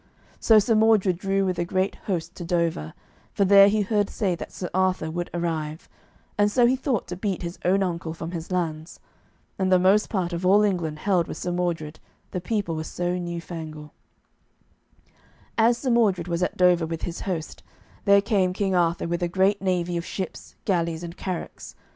So Sir Mordred drew with a great host to Dover, for there he heard say that Sir Arthur would arrive, and so he thought to beat his own uncle from his lands. And the most part of all England held with Sir Mordred, the people were so new fangle. As Sir Mordred was at Dover with his host, there came King Arthur with a great navy of ships, galleys, and carracks.